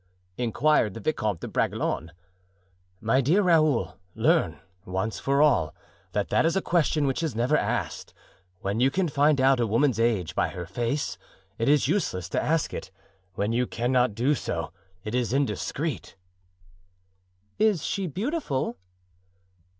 inquired the Vicomte de Bragelonne. "My dear Raoul, learn, once for all, that that is a question which is never asked. When you can find out a woman's age by her face, it is useless to ask it; when you cannot do so, it is indiscreet." "Is she beautiful?"